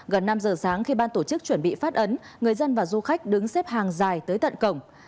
gần năm giờ sáng khi ban tổ chức chuẩn bị phát ấn người dân và du khách đứng xếp hàng dài tới tận cổng